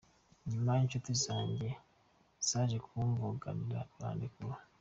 Nyuma inshuti zanjye zaje kumvuganira barandekura.